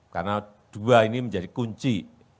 karena dua ini menjadi kunci